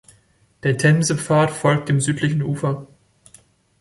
Der Themse-Pfad folgt dem südlichen Ufer.